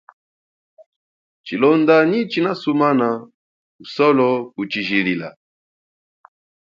Tshilonda nyi tshina sumana usolo kutshijilila.